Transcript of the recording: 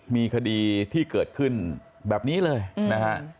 มีคดีที่เกิดขึ้นแบบนี้เลยนะฮะ